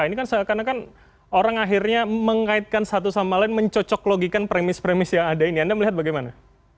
ini kan seakan akan orang akhirnya mengaitkan satu sama lain mencocok logikan premis premis yang ada ini anda melihat bagaimana